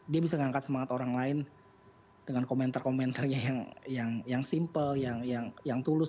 dia bisa mengangkat semangat orang lain dengan komentar komentarnya yang simple yang tulus